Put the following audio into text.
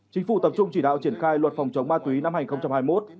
chính phủ tập trung chỉ đạo triển khai luật phòng chống ma túy năm hai nghìn hai mươi một